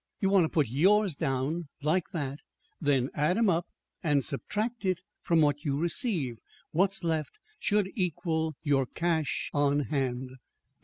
You want to put yours down like that, then add 'em up and subtract it from what you receive. What's left should equal your cash on hand."